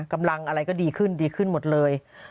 กำลังอะไรก็ดีขึ้นดีขึ้นหมดเลย